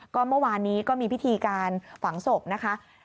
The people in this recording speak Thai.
ก็เมื่อวานนี้ก็มีพิธีการฝังศพนะคะ